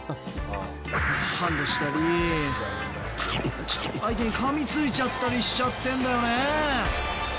ハンドしたり相手に噛みついちゃったりしてんだよね。